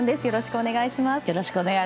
よろしくお願いします。